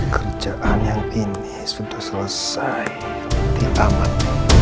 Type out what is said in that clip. kerjaan yang ini sudah selesai ditambah